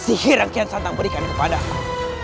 sihir yang kian santang berikan kepada aku